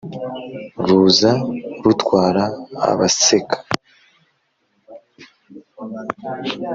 Ruza rutwara abaseka.